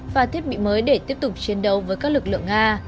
và thiết bị mới để tiếp tục chiến đấu với các lực lượng nga